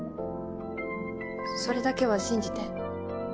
それだけは信じて。